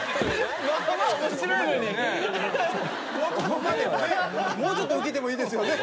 もうちょっとウケてもいいですよね。